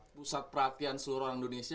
pusat perhatian seluruh orang indonesia